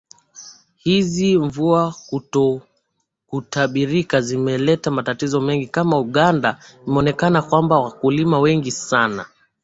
hizi mvua kutokutabirika zimeleta matatizo mengi kama uganda imeonekana kwamba wakulima wengi sana